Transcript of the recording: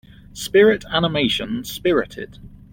Spirit animation Spirited.